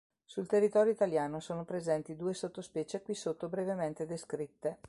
Sul territorio italiano sono presenti due sottospecie qui sotto brevemente descritte.